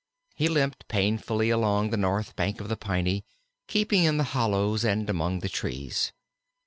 He limped painfully along the north bank of the Piney, keeping in the hollows and among the trees.